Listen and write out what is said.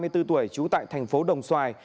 ba mươi bốn tuổi chú tại thành phố đồng xoài